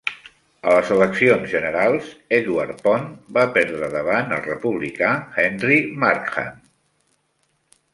A les eleccions generals, Edward Pond va perdre davant el republicà, Henry Markham.